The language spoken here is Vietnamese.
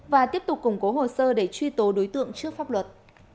và tiếp tục củng cố hồ sơ để truy tố đối tượng trước pháp luật